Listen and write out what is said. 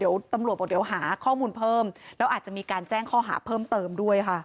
เดี๋ยวตำรวจบอกเดี๋ยวหาข้อมูลเพิ่มแล้วอาจจะมีการแจ้งข้อหาเพิ่มเติมด้วยค่ะ